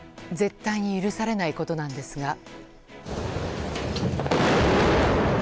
絶対に許されないことなんですが。